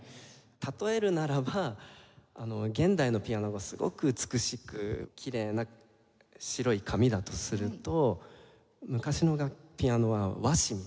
例えるならば現代のピアノがすごく美しくきれいな白い紙だとすると昔のピアノは和紙みたいな感じ。